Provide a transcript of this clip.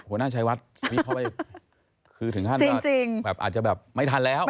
หัวหน้าชายวัดมีเข้าไปคือถึงห้านอาจจะแบบไม่ทันแล้ว